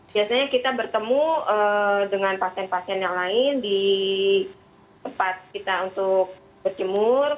biasanya kita bertemu dengan pasien pasien yang lain di tempat kita untuk berjemur